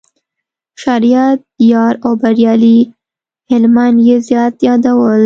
شریعت یار او بریالي هلمند یې زیات یادول.